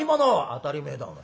「当たり前だお前。